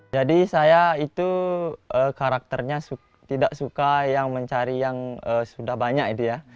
jadi saya itu karakternya tidak suka yang mencari yang sudah banyak itu ya